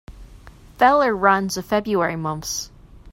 Feller runs the February months.